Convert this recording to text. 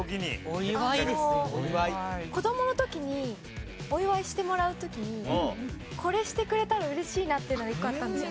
お祝いですよ。お祝いしてもらう時にこれしてくれたら嬉しいなっていうのが１個あったんですよ。